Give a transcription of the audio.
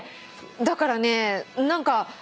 だからね何か。